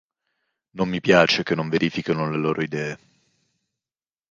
Non mi piace che non verifichino le loro idee...